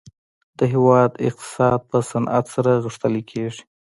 د هیواد اقتصاد په صنعت سره غښتلی کیږي